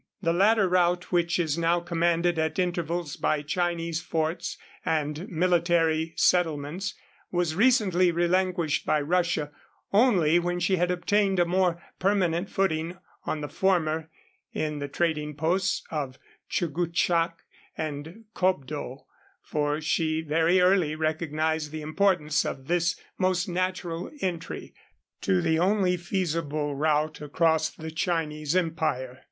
The latter route, which is now commanded at intervals by Chinese forts and military settlements, was recently relinquished by Russia only when she had obtained a more permanent footing on the former in the trading posts of Chuguchak and Kobdo, for she very early recognized the importance of this most natural entry to the only feasible route across the Chinese empire.